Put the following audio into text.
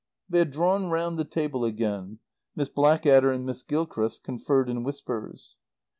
They had drawn round the table again. Miss Blackadder and Miss Gilchrist conferred in whispers.